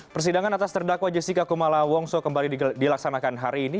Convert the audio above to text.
persidangan atas terdakwa jessica kumala wongso kembali dilaksanakan hari ini